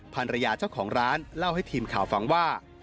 ภรรยาเจ้าของร้านเล่าให้ทีมข่าวฟังว่า